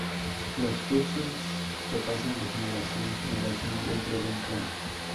Los jutsu que pasan de generación en generación dentro de un clan.